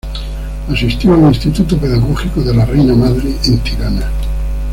Asistió al Instituto Pedagógico de la Reina Madre en Tirana.